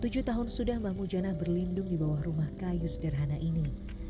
tujuh tahun sudah mbah mujana berlindung di bawah rumah kayu sederhana ini